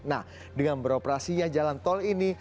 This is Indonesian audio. nah dengan beroperasinya jalan tol ini